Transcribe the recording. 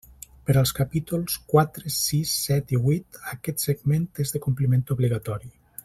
Per als capítols quatre, sis, set i huit, aquest segment és de compliment obligatori.